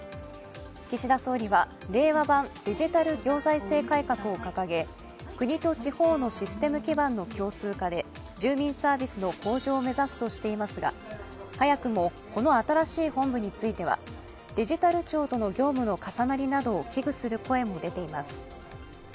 岸田総理は令和版デジタル行財政改革を掲げ国と地方のシステム基盤の共通化で住民サービスの向上を目指すとしていますが、早くもこの新しい本部についてはデジタル庁との業務の重なりなどを危惧する声も出ています。